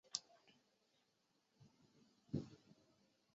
苞叶蓟为菊科蓟属的植物。